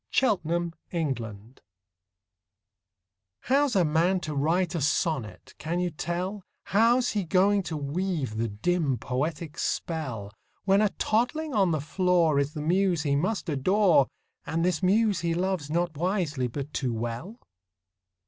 THE POET AND THE BABY How's a man to write a sonnet, can you tell, How's he going to weave the dim, poetic spell, When a toddling on the floor Is the muse he must adore, And this muse he loves, not wisely, but too well?